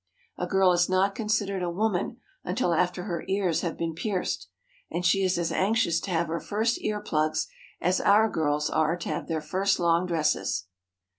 A girl is not considered a woman until after her ears have been pierced, and she is as anxious to have her first ear plugs as our girls are to have their first long dresses.